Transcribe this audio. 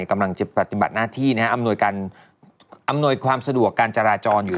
กำลังจะปฏิบัติหน้าที่อำนวยการอำนวยความสะดวกการจราจรอยู่